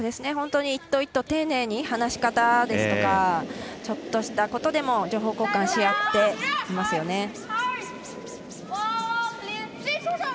本当に１投１投丁寧に、放し方ですとかちょっとしたことでも情報交換し合っていますよね。